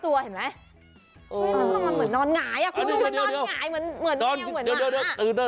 คุณนอนเหมือนนอนหงายอะคุณคุณนอนหงายเหมือนแมวเหมือนหมา